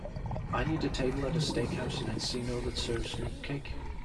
I need a table at a steakhouse in Encino that serves meatcake